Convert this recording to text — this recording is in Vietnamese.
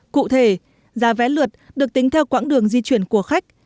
cụ thể giá vé lượt được tính theo quãng đường di chuyển của khách